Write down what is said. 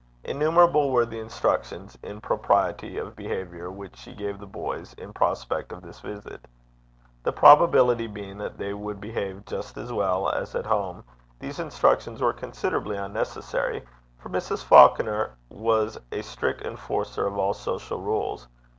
Innumerable were the instructions in propriety of behaviour which she gave the boys in prospect of this visit. The probability being that they would behave just as well as at home, these instructions were considerably unnecessary, for Mrs. Falconer was a strict enforcer of all social rules.